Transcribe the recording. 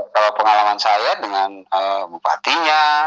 kalau pengalaman saya dengan bupatinya